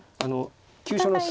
急所の筋。